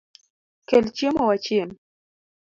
Kel chiemo wachiem